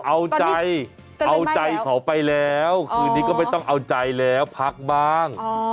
เอาใจเอาใจเขาไปแล้วคืนนี้ก็ไม่ต้องเอาใจแล้วพักบ้าง